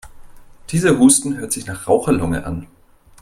Dieser Husten hört sich nach Raucherlunge an.